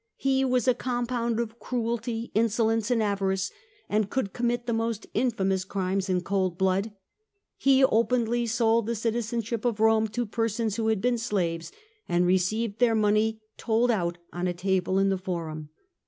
'^He was a compound of cruelty, insolence, and avarice, and could commit the most infamous crimes in cold blood. He openly sold the citizenship of Rome to persons who had been slaves, and received their money told out on a table in the Forum.